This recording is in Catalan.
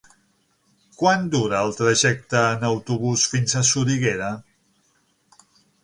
Quant dura el trajecte en autobús fins a Soriguera?